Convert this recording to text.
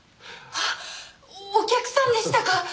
あっお客さんでしたか？